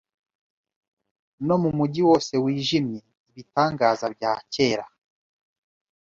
no mu mujyi wose wijimye Ibitangaza bya kera